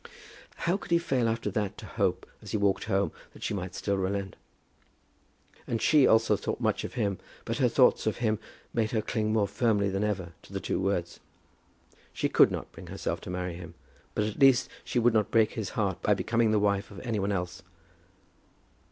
How could he fail after that to hope as he walked home that she might still relent. And she also thought much of him, but her thoughts of him made her cling more firmly than ever to the two words. She could not bring herself to marry him; but, at least, she would not break his heart by becoming the wife of any one else.